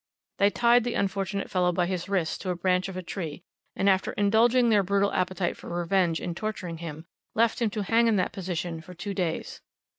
They tied the unfortunate fellow by his wrists to a branch of a tree, and after indulging their brutal appetite for revenge in torturing him, left him to hang in that position for two days.